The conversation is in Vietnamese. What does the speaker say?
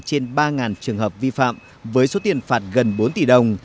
trên ba trường hợp vi phạm với số tiền phạt gần bốn tỷ đồng